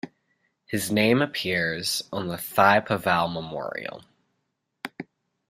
His name appears on the Thiepval Memorial.